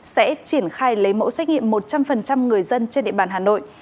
sẽ triển khai lấy mẫu xét nghiệm một trăm linh người dân trên địa bàn hà nội